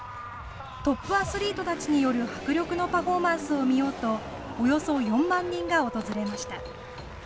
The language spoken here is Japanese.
トップアスリートたちによる迫力のパフォーマンスを見ようと、およそ４万人が訪れました。